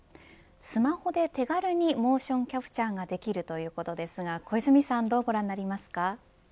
スマホで手軽にモーションキャプチャーができるということですが小泉さんどうご覧になりますか。